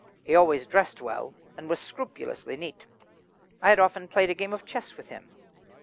He always dressed well, and was scrupulously neat. I had often played a game of chess with him.